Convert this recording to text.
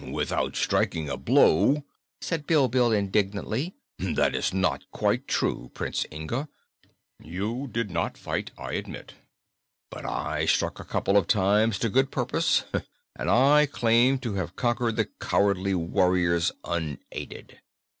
"Without striking a blow!" said Bilbil indignantly. "That is not quite true, Prince Inga. You did not fight, I admit, but I struck a couple of times to good purpose, and I claim to have conquered the cowardly warriors unaided."